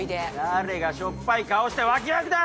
誰がしょっぱい顔した脇役だ！